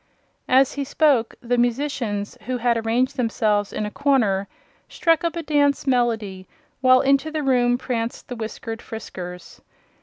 As he spoke the musicians, who had arranged themselves in a corner, struck up a dance melody while into the room pranced the Whiskered Friskers.